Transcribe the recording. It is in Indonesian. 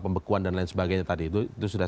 pembekuan dan lain sebagainya tadi itu sudah